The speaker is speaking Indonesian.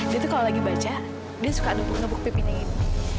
dia itu kalau lagi baca dia suka ngebuk pipinya ini